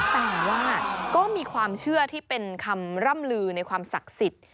แต่ว่าก็มีความเชื่อที่เป็นคำร่ำลือในความศักดิ์สิทธิ์